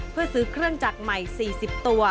เพื่อซื้อเครื่องจักรใหม่๔๐ตัว